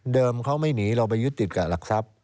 เขาไม่หนีเราไปยึดติดกับหลักทรัพย์